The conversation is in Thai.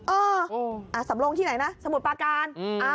เออสำรงที่ไหนนะสมุทรปาการ